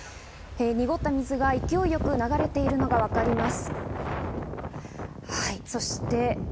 濁った水が勢いよく流れているのが分かります。